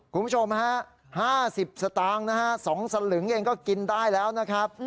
คุณผู้ชมฮะ๕๐สตางค์นะฮะ๒สลึงเองก็กินได้แล้วนะครับ